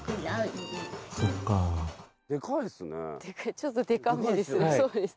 ちょっとでかめです。